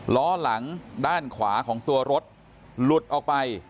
ล้อหลังด้านขวาของตัวรถหลุดออกไป